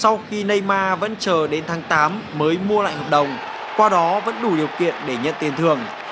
sau khi ney ma vẫn chờ đến tháng tám mới mua lại hợp đồng qua đó vẫn đủ điều kiện để nhận tiền thưởng